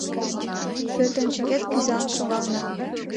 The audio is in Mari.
Пӧртӧнчыкет кӱзалын шогална